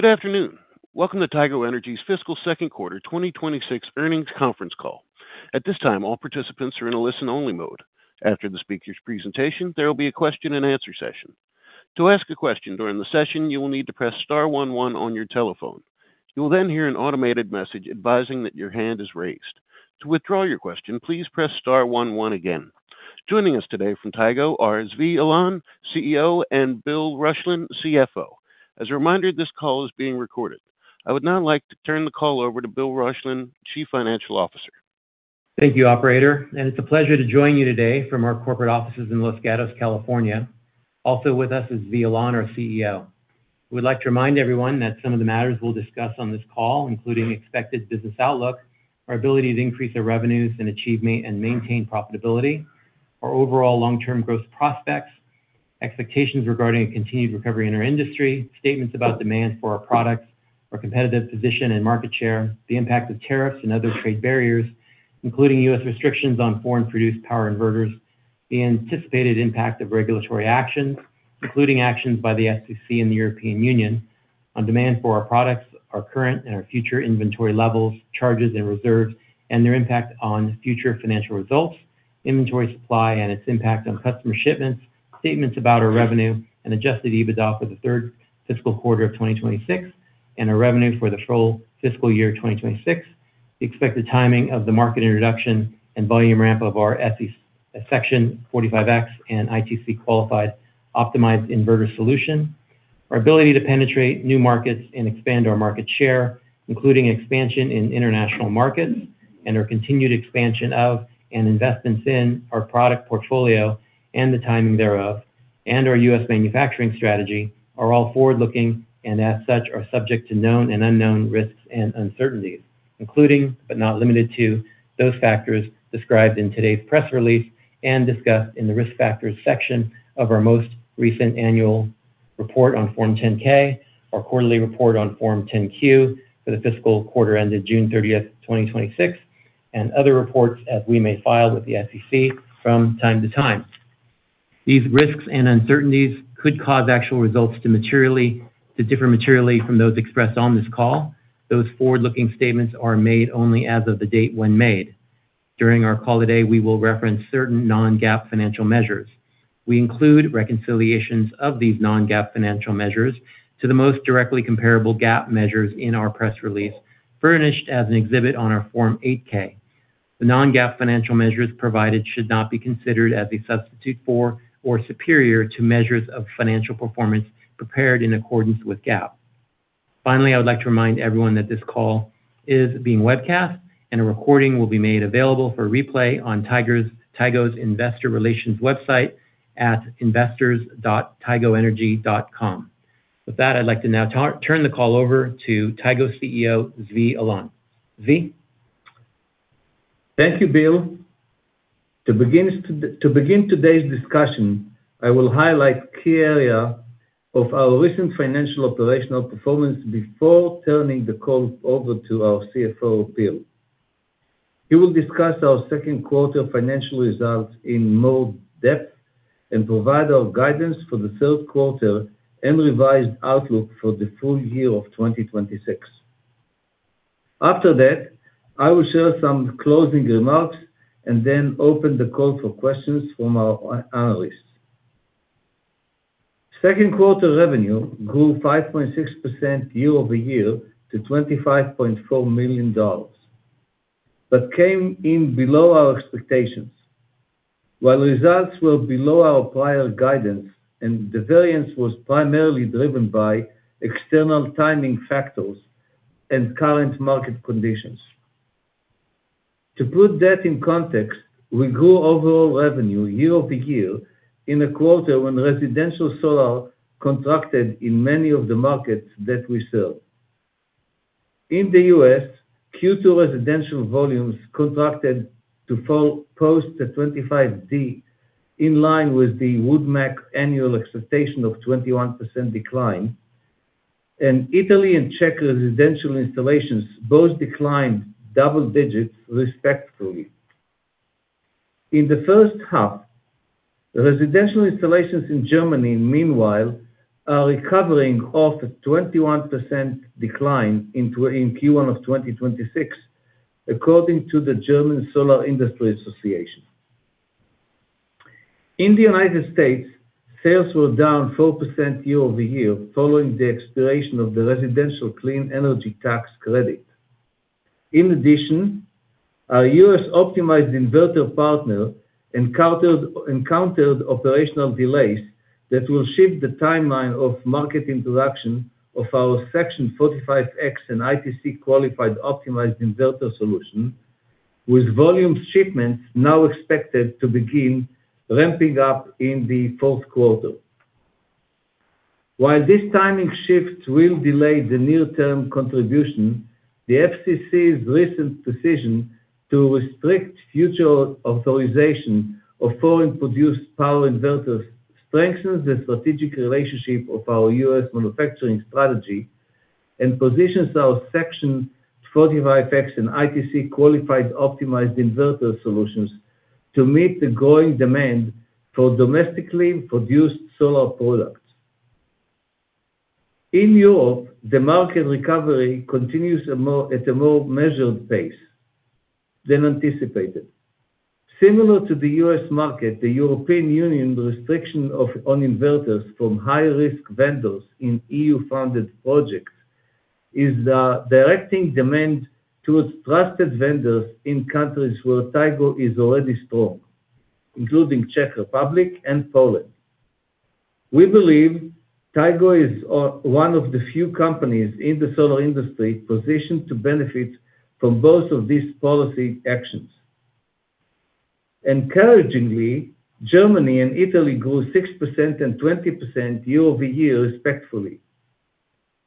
Good afternoon. Welcome to Tigo Energy's fiscal second quarter 2026 earnings conference call. At this time, all participants are in a listen-only mode. After the speaker's presentation, there will be a question and answer session. To ask a question during the session, you will need to press star one one on your telephone. You'll then hear an automated message advising that your hand is raised. To withdraw your question, please press star one one again. Joining us today from Tigo are Zvi Alon, CEO, and Bill Roeschlein, CFO. As a reminder, this call is being recorded. I would now like to turn the call over to Bill Roeschlein, Chief Financial Officer. Thank you, operator. It's a pleasure to join you today from our corporate offices in Los Gatos, California. Also with us is Zvi Alon, our CEO. We'd like to remind everyone that some of the matters we'll discuss on this call, including expected business outlook, our ability to increase our revenues and achieve, meet, and maintain profitability, our overall long-term growth prospects, expectations regarding a continued recovery in our industry, statements about demand for our products, our competitive position and market share, the impact of tariffs and other trade barriers, including U.S. restrictions on foreign-produced power inverters, the anticipated impact of regulatory actions, including actions by the FCC and the European Union on demand for our products, our current and our future inventory levels, charges and reserves, and their impact on future financial results, inventory supply and its impact on customer shipments, statements about our revenue, and adjusted EBITDA for the third fiscal quarter of 2026 and our revenue for the full fiscal year 2026. The expected timing of the market introduction and volume ramp of our Section 25D and ITC-qualified optimized inverter solution. Our ability to penetrate new markets and expand our market share, including expansion in international markets and our continued expansion of, and investments in our product portfolio and the timing thereof, and our U.S. manufacturing strategy are all forward-looking and as such, are subject to known and unknown risks and uncertainties, including, but not limited to, those factors described in today's press release and discussed in the Risk Factors section of our most recent annual report on Form 10-K, our quarterly report on Form 10-Q for the fiscal quarter ended June 30th, 2026, and other reports as we may file with the SEC from time to time. These risks and uncertainties could cause actual results to differ materially from those expressed on this call. Those forward-looking statements are made only as of the date when made. During our call today, we will reference certain non-GAAP financial measures. We include reconciliations of these non-GAAP financial measures to the most directly comparable GAAP measures in our press release, furnished as an exhibit on our Form 8-K. The non-GAAP financial measures provided should not be considered as a substitute for or superior to measures of financial performance prepared in accordance with GAAP. Finally, I would like to remind everyone that this call is being webcast, and a recording will be made available for replay on Tigo's Investor Relations website at investors.tigoenergy.com. With that, I'd like to now turn the call over to Tigo CEO, Zvi Alon. Zvi? Thank you, Bill. To begin today's discussion, I will highlight key area of our recent financial operational performance before turning the call over to our CFO, Bill. He will discuss our second quarter financial results in more depth and provide our guidance for the third quarter and revised outlook for the full-year of 2026. After that, I will share some closing remarks and then open the call for questions from our analysts. Second quarter revenue grew 5.6% year-over-year to $25.4 million, came in below our expectations. Results were below our prior guidance and the variance was primarily driven by external timing factors and current market conditions. To put that in context, we grew overall revenue year-over-year in a quarter when residential solar contracted in many of the markets that we serve. In the U.S., Q2 residential volumes contracted to post-25D, in line with the Wood Mackenzie annual expectation of 21% decline, Italy and Czech residential installations both declined double digits, respectively. In the first half, residential installations in Germany, meanwhile, are recovering off a 21% decline in Q1 of 2026, according to the German Solar Association. In the United States, sales were down 4% year-over-year following the expiration of the Residential Clean Energy Credit. In addition, our U.S. optimized inverter partner encountered operational delays that will shift the timeline of market introduction of our Section 45X and ITC-qualified optimized inverter solution, with volume shipments now expected to begin ramping up in the fourth quarter. This timing shift will delay the near-term contribution, the FCC's recent decision to restrict future authorization of foreign-produced power inverters strengthens the strategic relationship of our U.S. manufacturing strategy and positions our Section 45X and ITC-qualified optimized inverter solutions to meet the growing demand for domestically produced solar products. In Europe, the market recovery continues at a more measured pace than anticipated. Similar to the U.S. market, the European Union restriction on inverters from high-risk vendors in EU-funded projects is directing demand towards trusted vendors in countries where Tigo is already strong, including Czech Republic and Poland. We believe Tigo is one of the few companies in the solar industry positioned to benefit from both of these policy actions. Encouragingly, Germany and Italy grew 6% and 20% year-over-year, respectively.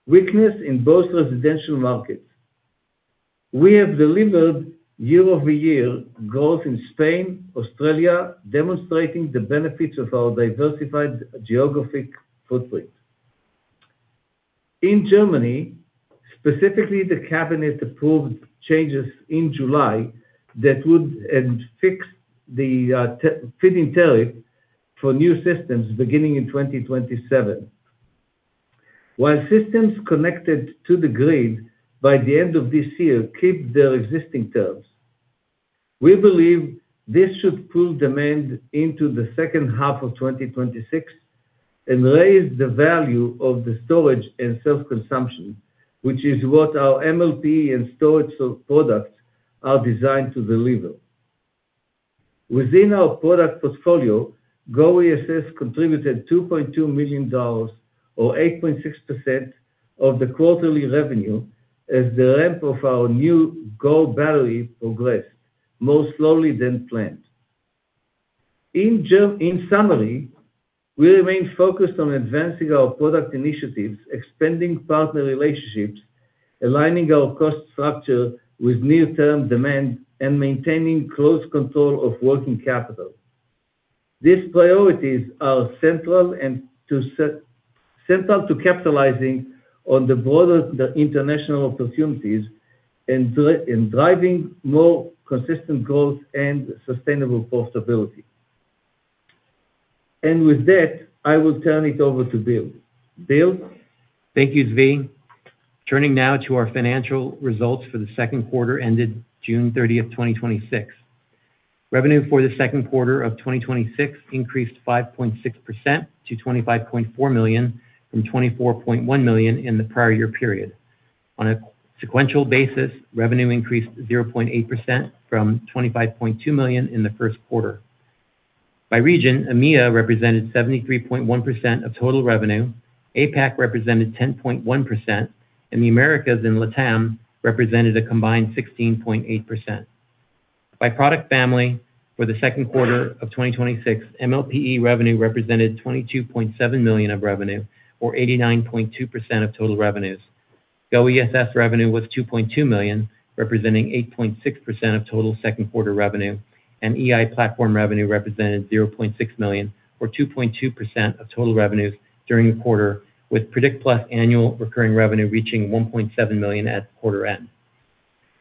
Weakness in both residential markets. We have delivered year-over-year growth in Spain, Australia, demonstrating the benefits of our diversified geographic footprint. In Germany, specifically, the cabinet approved changes in July that would fix the feed-in tariff for new systems beginning in 2027. While systems connected to the grid by the end of this year keep their existing terms. We believe this should pull demand into the second half of 2026 and raise the value of the storage and self-consumption, which is what our MLPE and storage products are designed to deliver. Within our product portfolio, GO ESS contributed $2.2 million or 8.6% of the quarterly revenue as the ramp of our new GO Battery progressed more slowly than planned. In summary, we remain focused on advancing our product initiatives, expanding partner relationships, aligning our cost structure with near-term demand, and maintaining close control of working capital. These priorities are central to capitalizing on the broader international opportunities and driving more consistent growth and sustainable profitability. With that, I will turn it over to Bill. Bill? Thank you, Zvi. Turning now to our financial results for the second quarter ended June 30, 2026. Revenue for the second quarter of 2026 increased 5.6% to $25.4 million from $24.1 million in the prior year period. On a sequential basis, revenue increased 0.8% from $25.2 million in the first quarter. By region, EMEA represented 73.1% of total revenue, APAC represented 10.1%, and the Americas and LatAm represented a combined 16.8%. By product family, for the second quarter of 2026, MLPE revenue represented $22.7 million of revenue or 89.2% of total revenues. GO ESS revenue was $2.2 million, representing 8.6% of total second quarter revenue, and EI Platform revenue represented $0.6 million or 2.2% of total revenues during the quarter, with Predict+ annual recurring revenue reaching $1.7 million at quarter end.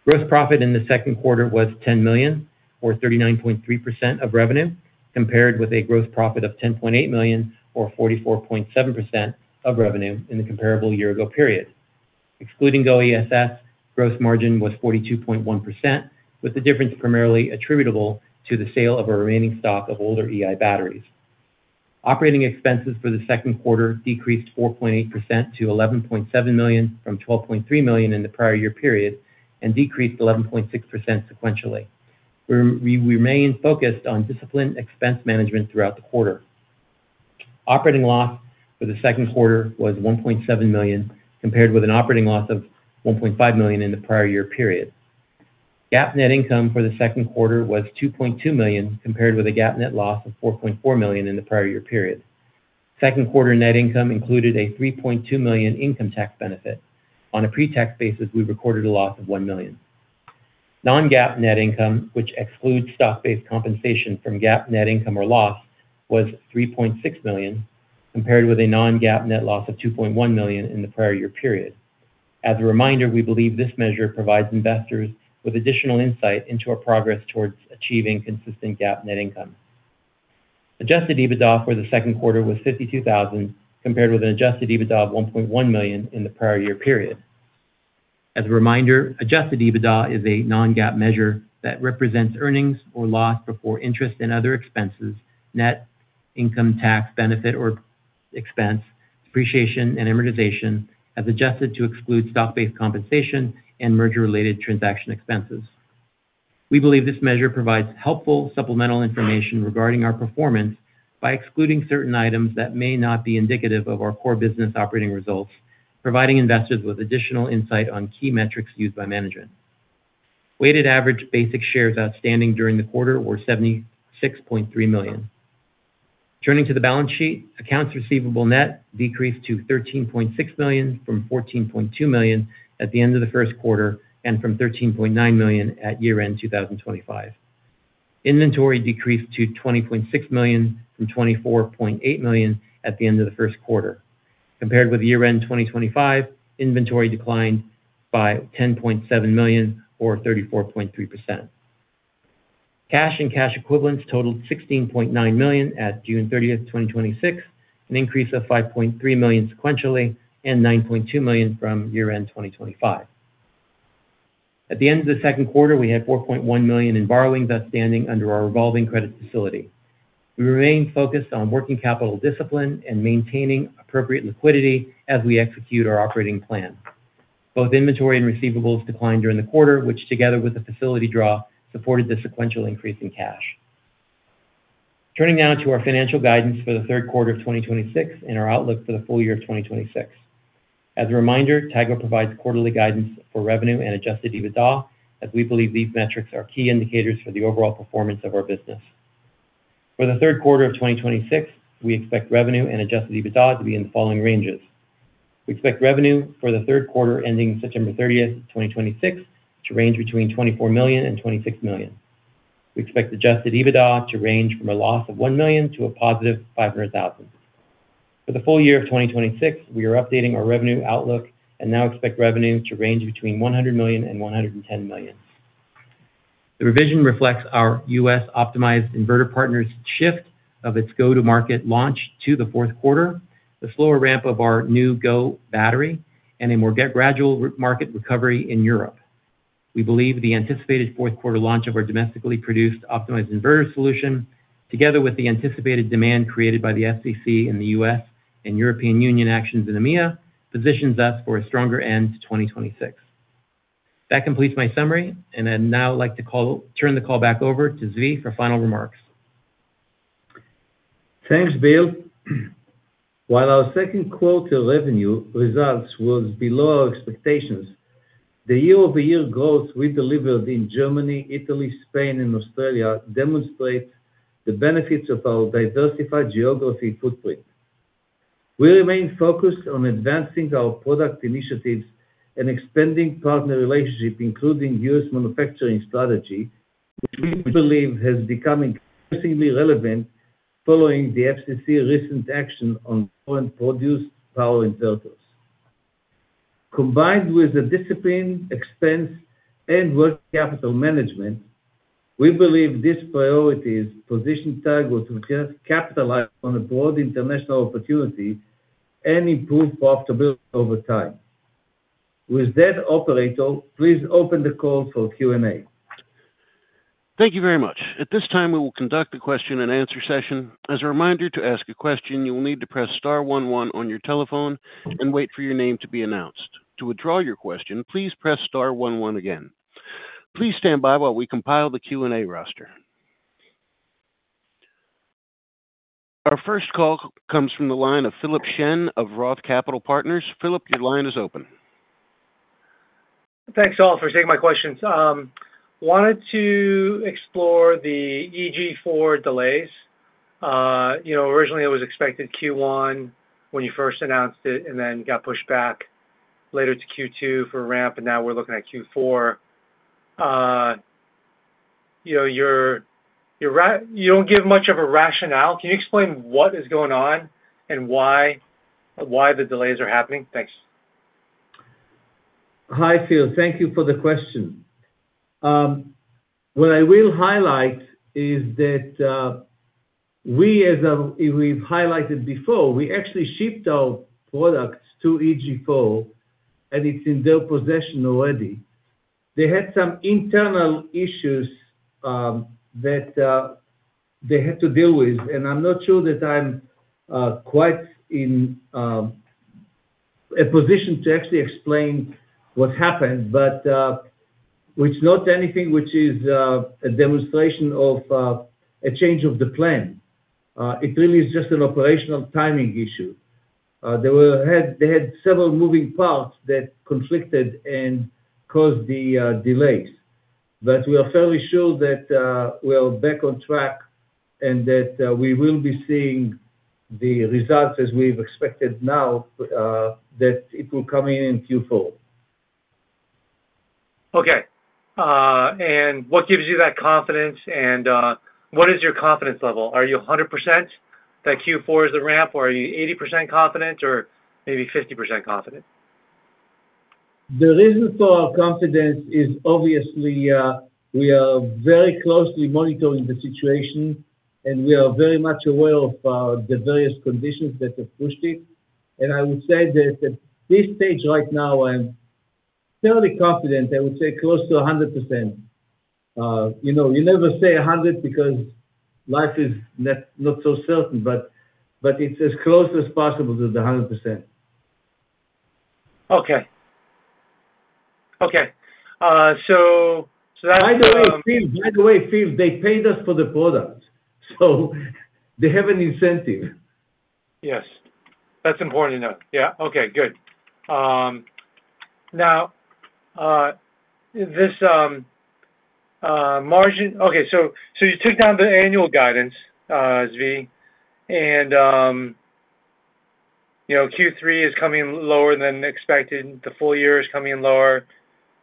Gross profit in the second quarter was $10 million or 39.3% of revenue, compared with a gross profit of $10.8 million or 44.7% of revenue in the comparable year-ago period. Excluding GO ESS, gross margin was 42.1%, with the difference primarily attributable to the sale of our remaining stock of older EI batteries. Operating expenses for the second quarter decreased 4.8% to $11.7 million from $12.3 million in the prior year period and decreased 11.6% sequentially. We remain focused on disciplined expense management throughout the quarter. Operating loss for the second quarter was $1.7 million, compared with an operating loss of $1.5 million in the prior year period. GAAP net income for the second quarter was $2.2 million, compared with a GAAP net loss of $4.4 million in the prior year period. Second quarter net income included a $3.2 million income tax benefit. On a pre-tax basis, we recorded a loss of $1 million. Non-GAAP net income, which excludes stock-based compensation from GAAP net income or loss, was $3.6 million, compared with a non-GAAP net loss of $2.1 million in the prior year period. As a reminder, we believe this measure provides investors with additional insight into our progress towards achieving consistent GAAP net income. Adjusted EBITDA for the second quarter was $52,000, compared with an adjusted EBITDA of $1.1 million in the prior year period. As a reminder, adjusted EBITDA is a non-GAAP measure that represents earnings or loss before interest and other expenses, net income tax benefit or expense, depreciation, and amortization as adjusted to exclude stock-based compensation and merger-related transaction expenses. We believe this measure provides helpful supplemental information regarding our performance by excluding certain items that may not be indicative of our core business operating results, providing investors with additional insight on key metrics used by management. Weighted average basic shares outstanding during the quarter were 76.3 million. Turning to the balance sheet, accounts receivable net decreased to $13.6 million from $14.2 million at the end of the first quarter and from $13.9 million at year-end 2025. Inventory decreased to $20.6 million from $24.8 million at the end of the first quarter. Compared with year-end 2025, inventory declined by $10.7 million or 34.3%. Cash and cash equivalents totaled $16.9 million at June 30th, 2026, an increase of $5.3 million sequentially and $9.2 million from year-end 2025. At the end of the second quarter, we had $4.1 million in borrowings outstanding under our revolving credit facility. We remain focused on working capital discipline and maintaining appropriate liquidity as we execute our operating plan. Both inventory and receivables declined during the quarter, which together with the facility draw, supported the sequential increase in cash. Turning now to our financial guidance for the third quarter of 2026 and our outlook for the full-year of 2026. As a reminder, Tigo provides quarterly guidance for revenue and adjusted EBITDA, as we believe these metrics are key indicators for the overall performance of our business. For the third quarter of 2026, we expect revenue and adjusted EBITDA to be in the following ranges. We expect revenue for the third quarter ending September 30th, 2026 to range between $24 million and $26 million. We expect adjusted EBITDA to range from a loss of $1 million to a positive $500,000. For the full-year of 2026, we are updating our revenue outlook and now expect revenue to range between $100 million and $110 million. The revision reflects our U.S. optimized inverter partner's shift of its go-to-market launch to the fourth quarter, the slower ramp of our new GO Battery, and a more gradual market recovery in Europe. We believe the anticipated fourth quarter launch of our domestically produced optimized inverter solution, together with the anticipated demand created by the FCC in the U.S. and European Union actions in EMEA, positions us for a stronger end to 2026. That completes my summary, and I'd now like to turn the call back over to Zvi for final remarks. Thanks, Bill. While our second quarter revenue results was below our expectations, the year-over-year growth we delivered in Germany, Italy, Spain and Australia demonstrate the benefits of our diversified geography footprint. We remain focused on advancing our product initiatives and expanding partner relationship, including U.S. manufacturing strategy, which we believe has become increasingly relevant following the FCC recent action on foreign-produced power in. Combined with the disciplined expense and work capital management, we believe these priorities position Tigo to capitalize on the broad international opportunity and improve profitability over time. With that, operator, please open the call for Q and A. Thank you very much. At this time, we will conduct a question and answer session. As a reminder, to ask a question, you will need to press star one one on your telephone and wait for your name to be announced. To withdraw your question, please press star one one again. Please stand by while we compile the Q and A roster. Our first call comes from the line of Philip Shen of Roth Capital Partners. Philip, your line is open. Thanks all for taking my questions. Wanted to explore the EG4 delays. Originally, it was expected Q1 when you first announced it and then got pushed back later to Q2 for ramp, and now we're looking at Q4. You don't give much of a rationale. Can you explain what is going on and why the delays are happening? Thanks. Hi, Phil. Thank you for the question. What I will highlight is that, we've highlighted before, we actually shipped our products to EG4, and it's in their possession already. They had some internal issues that they had to deal with, and I'm not sure that I'm quite in a position to actually explain what happened, but it's not anything which is a demonstration of a change of the plan. It really is just an operational timing issue. They had several moving parts that conflicted and caused the delays. We are fairly sure that we are back on track and that we will be seeing the results as we've expected now, that it will come in in Q4. Okay. What gives you that confidence, and what is your confidence level? Are you 100% that Q4 is the ramp, or are you 80% confident or maybe 50% confident? The reason for our confidence is obviously, we are very closely monitoring the situation, and we are very much aware of the various conditions that have pushed it. I would say that at this stage right now, I'm fairly confident. I would say close to 100%. You never say 100% because life is not so certain, but it's as close as possible to the 100%. Okay. That's— By the way, Phil, they paid us for the product, so they have an incentive. Yes. That's important to know. Yeah, okay, good. This margin Okay, you took down the annual guidance, Zvi, and Q3 is coming in lower than expected. The full-year is coming in lower.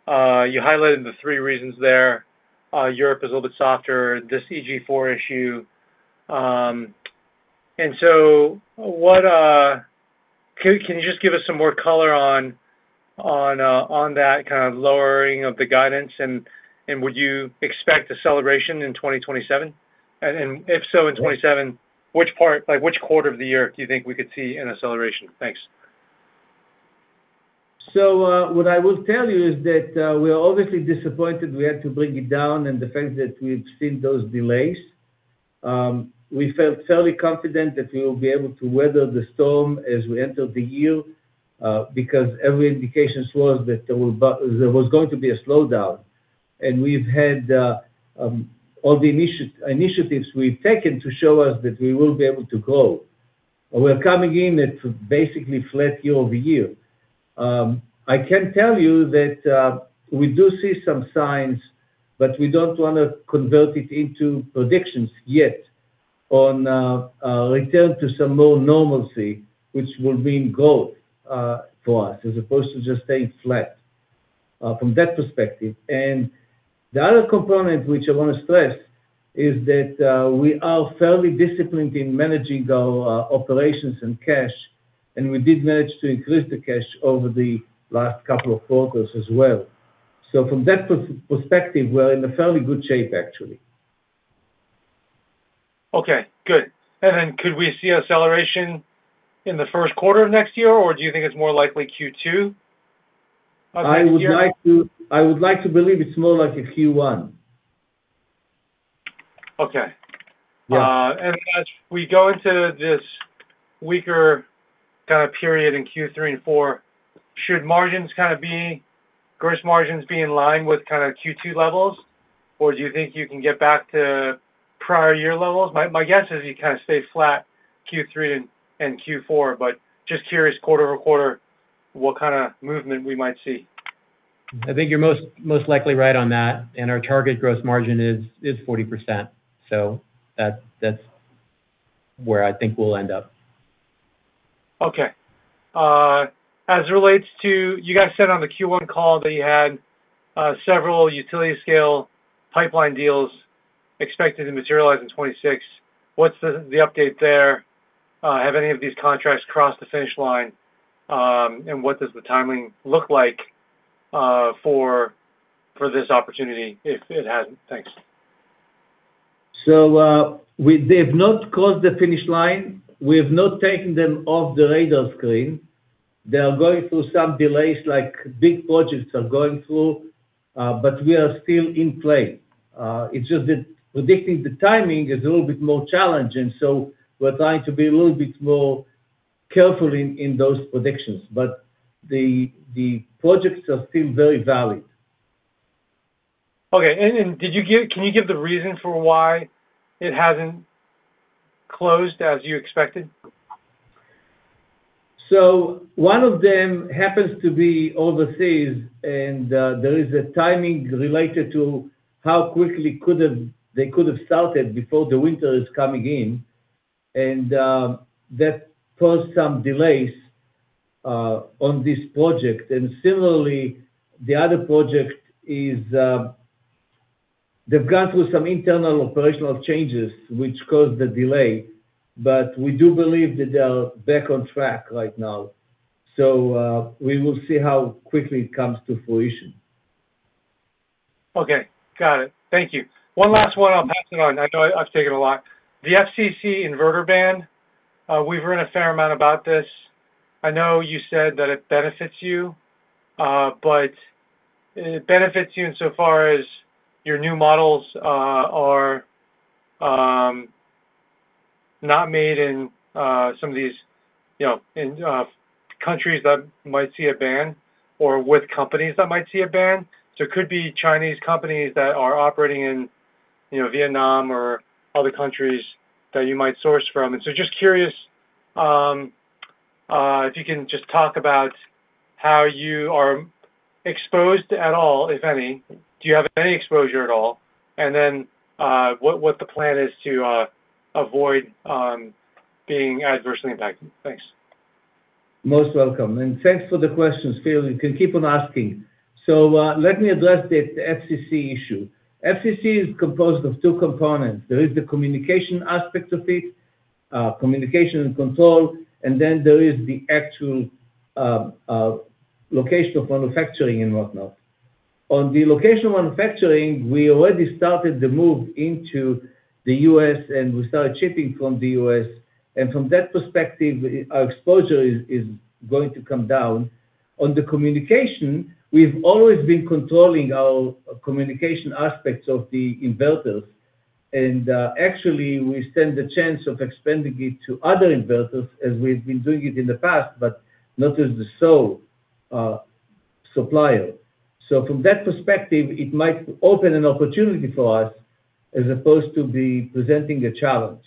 You highlighted the three reasons there. Europe is a little bit softer, this EG4 issue. Can you just give us some more color on that kind of lowering of the guidance, and would you expect acceleration in 2027? If so, in 2027, which quarter of the year do you think we could see an acceleration? Thanks. What I will tell you is that we are obviously disappointed we had to bring it down, and the fact that we've seen those delays. We felt fairly confident that we will be able to weather the storm as we enter the year, because every indication was that there was going to be a slowdown. We've had all the initiatives we've taken to show us that we will be able to grow. We're coming in at basically flat year-over-year. I can tell you that we do see some signs, but we don't want to convert it into predictions yet on a return to some more normalcy, which will mean growth for us, as opposed to just staying flat from that perspective. The other component, which I want to stress, is that we are fairly disciplined in managing our operations and cash, and we did manage to increase the cash over the last couple of quarters as well. From that perspective, we're in a fairly good shape, actually. Okay, good. Could we see acceleration in the first quarter of next year, or do you think it's more likely Q2? I would like to believe it's more like a Q1. Okay. Yeah. As we go into this weaker kind of period in Q3 and Q4, should gross margins be in line with kind of Q2 levels? Or do you think you can get back to prior year levels? My guess is you kind of stay flat Q3 and Q4, but just curious quarter-over-quarter what kind of movement we might see. I think you're most likely right on that, and our target gross margin is 40%, so that's where I think we'll end up. Okay. As it relates to, you guys said on the Q1 call that you had several utility scale pipeline deals expected to materialize in 2026. What's the update there? Have any of these contracts crossed the finish line? What does the timing look like for this opportunity if it hasn't? Thanks. They've not crossed the finish line. We have not taken them off the radar screen. They are going through some delays like big projects are going through, we are still in play. It's just that predicting the timing is a little bit more challenging, so we're trying to be a little bit more careful in those predictions. The projects are still very valid. Okay. Can you give the reason for why it hasn't closed as you expected? One of them happens to be overseas, and there is a timing related to how quickly they could have started before the winter is coming in, and that caused some delays on this project. Similarly, the other project is, they've gone through some internal operational changes, which caused the delay. We do believe that they are back on track right now. We will see how quickly it comes to fruition. Okay. Got it. Thank you. One last one, I'll pass it on. I know I've taken a lot. The FCC inverter ban, we've heard a fair amount about this. I know you said that it benefits you, but it benefits you in so far as your new models are not made in some of these countries that might see a ban or with companies that might see a ban. It could be Chinese companies that are operating in Vietnam or other countries that you might source from. Just curious if you can just talk about how you are exposed at all, if any, do you have any exposure at all? What the plan is to avoid being adversely impacted? Thanks. Most welcome, and thanks for the questions, Phil. You can keep on asking. Let me address the FCC issue. FCC is composed of two components. There is the communication aspect of it, communication and control, and then there is the actual location of manufacturing and whatnot. On the location of manufacturing, we already started the move into the U.S., and we started shipping from the U.S. From that perspective, our exposure is going to come down. On the communication, we've always been controlling our communication aspects of the inverters, and actually, we stand a chance of expanding it to other inverters as we've been doing it in the past, but not as the sole supplier. From that perspective, it might open an opportunity for us as opposed to be presenting a challenge.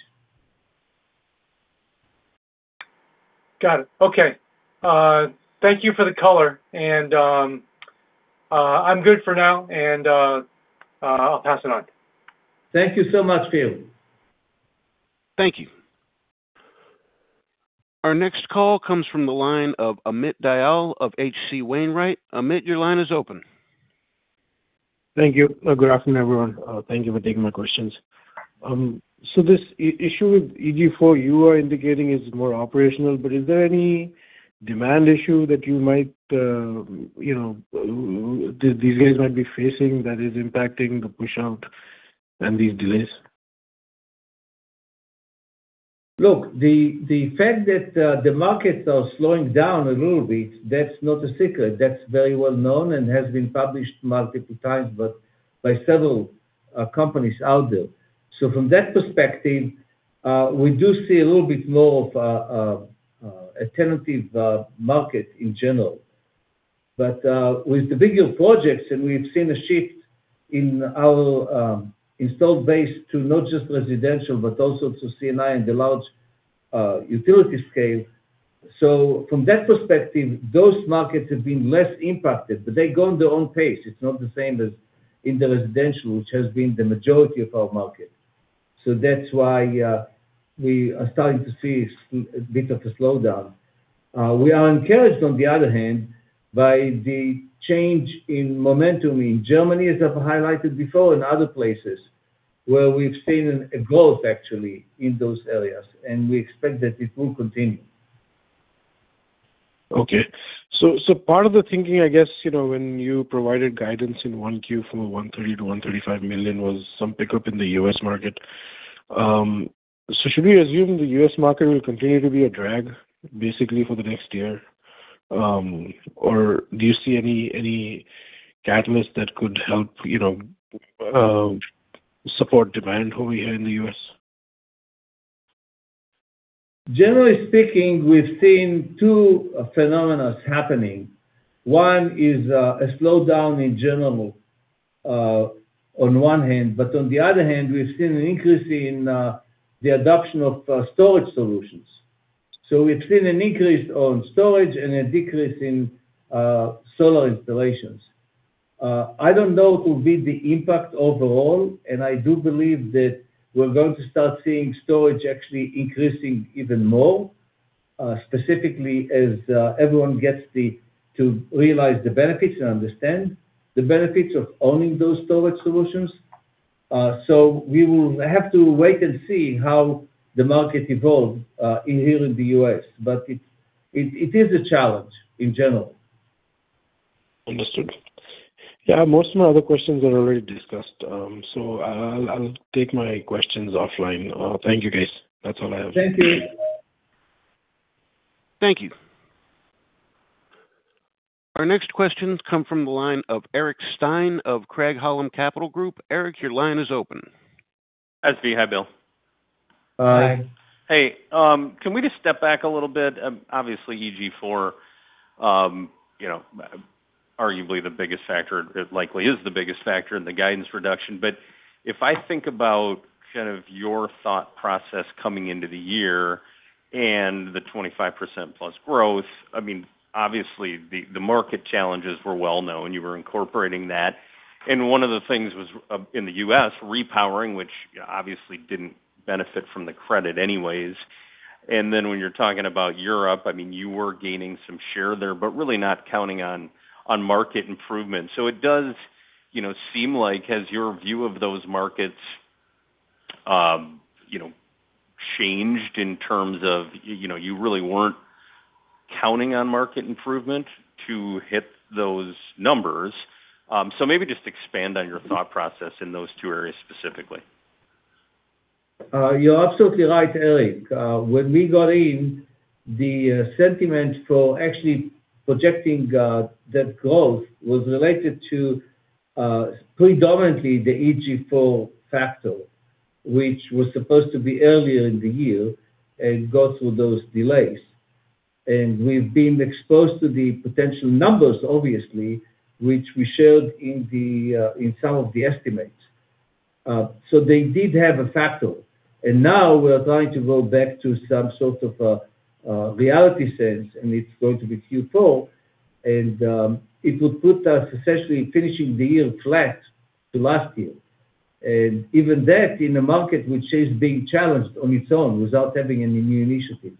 Got it. Okay. Thank you for the color, I'm good for now and I'll pass it on. Thank you so much, Phil. Thank you. Our next call comes from the line of Amit Dayal of H.C. Wainwright. Amit, your line is open. Thank you. Good afternoon, everyone. Thank you for taking my questions. This issue with EG4, you are indicating is more operational, but is there any demand issue that these guys might be facing that is impacting the push-out and these delays? Look, the fact that the markets are slowing down a little bit, that's not a secret. That's very well-known and has been published multiple times, but by several companies out there. From that perspective, we do see a little bit more of a tentative market in general. With the bigger projects, and we've seen a shift in our installed base to not just residential, but also to C&I and the large utility scale. From that perspective, those markets have been less impacted, but they go on their own pace. It's not the same as in the residential, which has been the majority of our market. That's why we are starting to see a bit of a slowdown. We are encouraged, on the other hand, by the change in momentum in Germany, as I've highlighted before, and other places where we've seen a growth actually in those areas, and we expect that it will continue. Okay. Part of the thinking, I guess, when you provided guidance in 1Q from $130 million-$135 million was some pickup in the U.S. market. Should we assume the U.S. market will continue to be a drag basically for the next year? Or do you see any catalyst that could help support demand over here in the U.S.? Generally speaking, we've seen two phenomena happening. One is a slowdown in general on one hand, but on the other hand, we've seen an increase in the adoption of storage solutions. We've seen an increase on storage and a decrease in solar installations. I don't know it will be the impact overall, and I do believe that we're going to start seeing storage actually increasing even more, specifically as everyone gets to realize the benefits and understand the benefits of owning those storage solutions. We will have to wait and see how the market evolves here in the U.S. It is a challenge, in general. Understood. Yeah, most of my other questions are already discussed. I'll take my questions offline. Thank you, guys. That's all I have. Thank you. Thank you. Our next question come from the line of Eric Stine of Craig-Hallum Capital Group. Eric, your line is open. Hi, Zvi. Hi, Bill. Hi. Hey. Can we just step back a little bit? Obviously EG4, arguably the biggest factor. It likely is the biggest factor in the guidance reduction. If I think about kind of your thought process coming into the year and the 25%+ growth, obviously the market challenges were well-known, you were incorporating that. One of the things was, in the U.S., repowering, which obviously didn't benefit from the credit anyways. When you're talking about Europe, you were gaining some share there, but really not counting on market improvement. It does seem like, has your view of those markets changed in terms of you really weren't counting on market improvement to hit those numbers? Maybe just expand on your thought process in those two areas specifically. You're absolutely right, Eric. When we got in, the sentiment for actually projecting that growth was related to predominantly the EG4 factor, which was supposed to be earlier in the year and got through those delays. We've been exposed to the potential numbers, obviously, which we shared in some of the estimates. They did have a factor. Now we're going to go back to some sort of a reality sense, and it's going to be Q4, and it would put us essentially finishing the year flat to last year. Even that in a market which is being challenged on its own without having any new initiatives.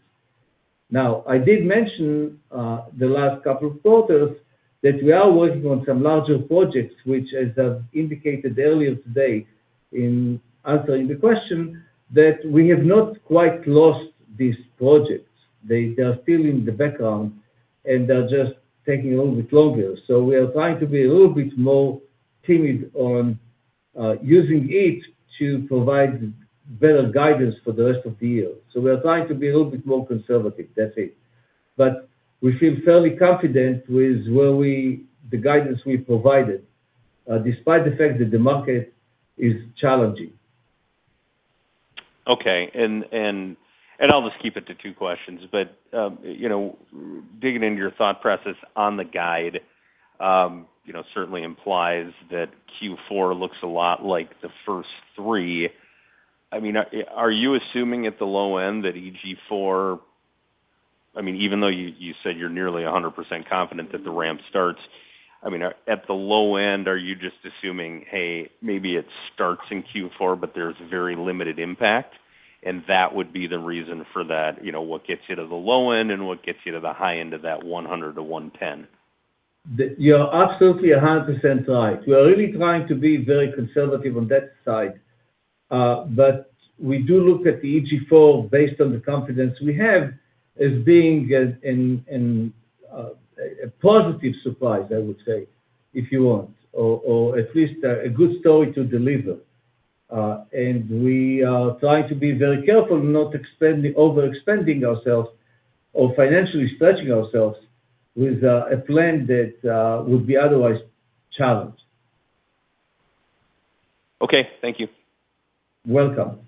Now, I did mention, the last couple of quarters, that we are working on some larger projects, which as I've indicated earlier today in answering the question, that we have not quite lost these projects. They are still in the background, and they're just taking a little bit longer. We are trying to be a little bit more timid on using it to provide better guidance for the rest of the year. We are trying to be a little bit more conservative, that's it. We feel fairly confident with the guidance we've provided, despite the fact that the market is challenging. Okay. I'll just keep it to two questions. Digging into your thought process on the guide, certainly implies that Q4 looks a lot like the first three. Are you assuming at the low end that EG4, even though you said you're nearly 100% confident that the ramp starts. At the low end, are you just assuming, hey, maybe it starts in Q4, but there's very limited impact, and that would be the reason for that, what gets you to the low end and what gets you to the high end of that $100 million-$110 million? You're absolutely 100% right. We are really trying to be very conservative on that side. We do look at the EG4 based on the confidence we have as being a positive surprise, I would say, if you want, or at least a good story to deliver. We are trying to be very careful not overextending ourselves or financially stretching ourselves with a plan that would be otherwise challenged. Okay. Thank you. Welcome.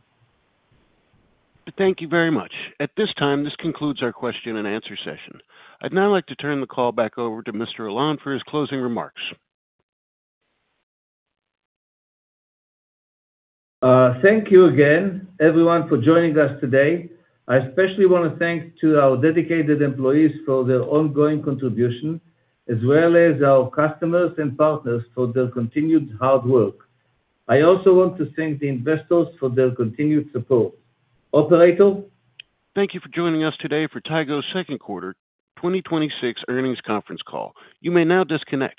Thank you very much. At this time, this concludes our question and answer session. I'd now like to turn the call back over to Mr. Alon for his closing remarks. Thank you again, everyone, for joining us today. I especially want to thank to our dedicated employees for their ongoing contribution, as well as our customers and partners for their continued hard work. I also want to thank the investors for their continued support. Operator? Thank you for joining us today for Tigo's second quarter 2026 earnings conference call. You may now disconnect.